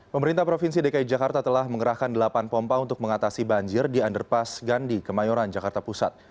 pemerintah provinsi dki jakarta telah mengerahkan delapan pompa untuk mengatasi banjir di underpass gandhi kemayoran jakarta pusat